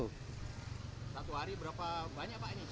satu hari berapa banyak pak ini